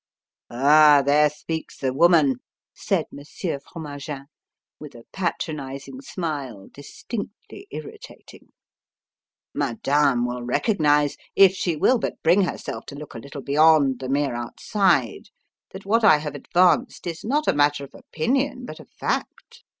"Ah, there speaks the woman!" said Monsieur Fromagin, with a patronizing smile distinctly irritating. "Madame will recognize if she will but bring herself to look a little beyond the mere outside that what I have advanced is not a matter of opinion but of fact.